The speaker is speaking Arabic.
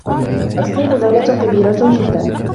الصين دولة كبيرة جداً